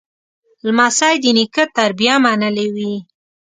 لمسی د نیکه تربیه منلې وي.